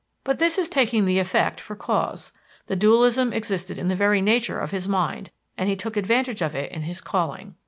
But this is taking the effect for cause. This dualism existed in the very nature of his mind, and he took advantage of it in his calling.